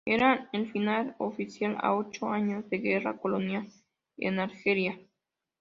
Era el final oficial a ocho años de guerra colonial en Argelia.